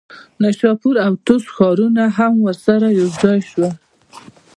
نیشاپور او طوس ښارونه هم ورسره یوځای شول.